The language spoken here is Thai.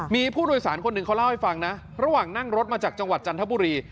มีผู้โดยสารคนหนึ่งเขาเล่าให้ฟังนะระหว่างนั่งรถมาจากจังหวัดจันทบุรี